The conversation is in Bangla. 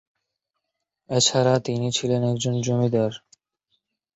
এছাড়া তিনি ছিলেন একজন জমিদার।